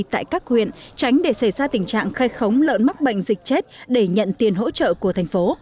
tại các huyện tránh để xảy ra tình trạng khai khống lợn mắc bệnh dịch chết để nhận tiền hỗ trợ của thành phố